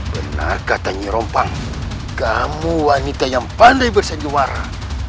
benarkah tanya rompang kamu wanita yang pandai bersenjuara